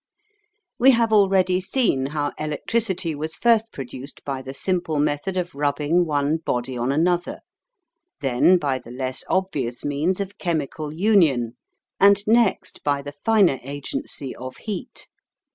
We have already seen how electricity was first produced by the simple method of rubbing one body on another, then by the less obvious means of chemical union, and next by the finer agency of heat.